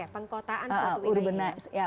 pengkotaan suatu wilayah